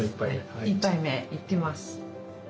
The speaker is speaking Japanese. １杯目いきます。